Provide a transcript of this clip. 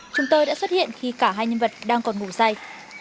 chúng tôi đã xuất hiện khi cả hai nhân vật đang còn ngủ say